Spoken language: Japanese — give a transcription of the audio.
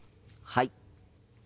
はい。